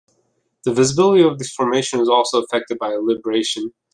The visibility of this formation is also affected by libration.